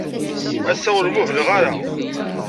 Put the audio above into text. Ass-a, ur muhleɣ ara.